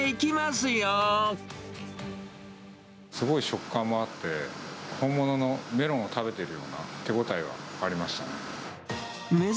すごい食感もあって、本物のメロンを食べてるような手応えはありましたね。